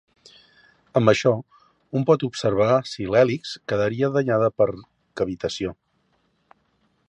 Amb això, un pot observar si l'hèlix quedaria danyada per cavitació.